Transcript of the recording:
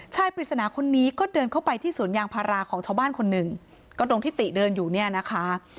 ปริศนาคนนี้ก็เดินเข้าไปที่สวนยางพาราของชาวบ้านคนหนึ่งก็ตรงที่ติเดินอยู่เนี่ยนะคะ